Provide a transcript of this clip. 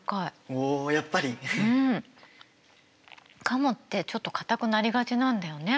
カモってちょっとかたくなりがちなんだよね。